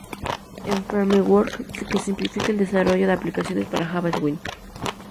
Es un Framework que simplifica el desarrollo de aplicaciones para Java Swing.